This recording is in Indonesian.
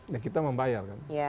ya kita membayar kan